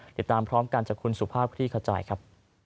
ติดตามพร้อมกันจากคุณสุภาพคลี่ขจายครับ